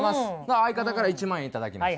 相方から１万円頂きます。